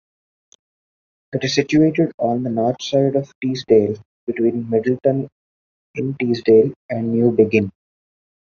It is situated on the north side of Teesdale between Middleton-in-Teesdale and Newbiggin.